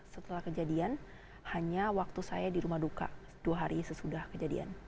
setelah kejadian hanya waktu saya di rumah duka dua hari sesudah kejadian